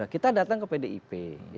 kita datang ke pdip